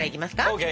ＯＫ！